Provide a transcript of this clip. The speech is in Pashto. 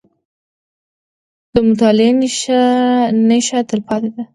• د مطالعې نیشه، تلپاتې ده.